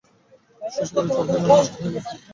শশী বিরক্ত হয় নাই, অন্যমনস্ক হইয়া গিয়াছিল।